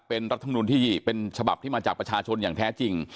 เป็นรัฐมนุนที่เป็นฉบับที่มาจากประชาชนอย่างแท้จริง